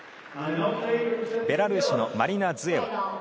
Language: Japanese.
ベラルーシのマリナ・ズエワ。